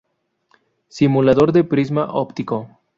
Simulador de prisma óptico